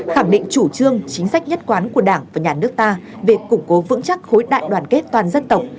khẳng định chủ trương chính sách nhất quán của đảng và nhà nước ta về củng cố vững chắc khối đại đoàn kết toàn dân tộc